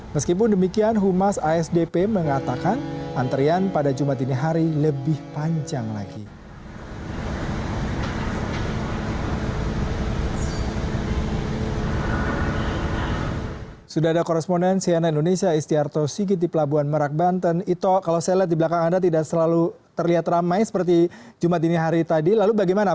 meskipun demikian humas asdp mengatakan antrian pada jumat ini hari lebih panjang lagi